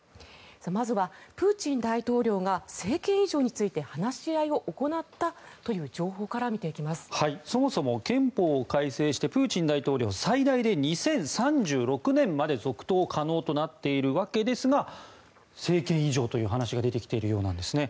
まずはプーチン大統領が政権移譲について話し合いを行ったというそもそも憲法を改正してプーチン大統領最大で２０３６年まで続投可能となっているわけですが政権移譲という話が出てきているようなんですね。